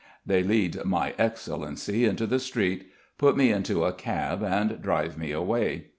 They lead My Excellency into the street, put me into a cab and drive me away.